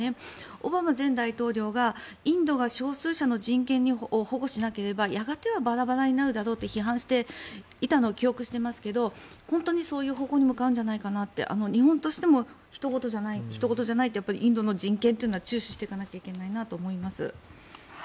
オバマ前大統領がインドが少数者の人権を保護しなければやがてはバラバラになるだろうと批判していたのを記憶してますけど本当にそういう方向に向かうんじゃないかなって日本としてもひと事じゃないインドの人権というのは注視していかないといけないと思います。